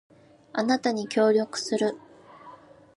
あなたに協力する